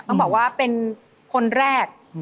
ต้องบอกว่าเป็นคนแรก